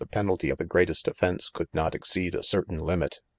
penalty of the greatest offence could not exceed a cer tain limit.